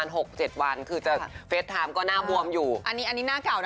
น้องฟิร์มไปฟังด้วยค่ะ